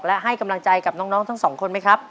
และให้กำลังใจกับน้องทั้งสองคนไหมครับ